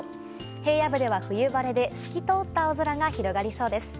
平野部では冬晴れで透き通った青空が広がりそうです。